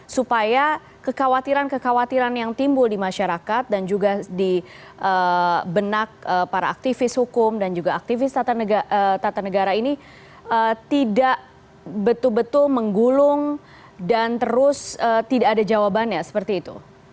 supaya kekhawatiran kekhawatiran yang timbul di masyarakat dan juga di benak para aktivis hukum dan juga aktivis tata negara ini tidak betul betul menggulung dan terus tidak ada jawabannya seperti itu